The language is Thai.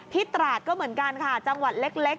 ตราดก็เหมือนกันค่ะจังหวัดเล็ก